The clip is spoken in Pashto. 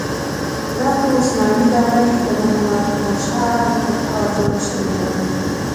دا په عثماني دوره کې د محمد پاشا له خوا جوړه شوې ده.